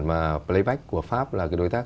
mà playback của pháp là cái đối tác